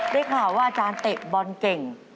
ได้ข่าวว่าอาจารย์เตะบอลเก่ง